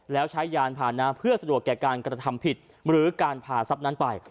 แล้วใช้ยานผ่านนะเพื่อสะดวกแก่การกระทำผิดหรือการพาทรัพย์นั้นไป